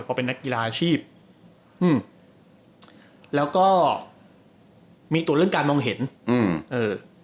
พอเป็นนักกีฬาอาชีพอืมแล้วก็มีตัวเรื่องการมองเห็นอืมเออ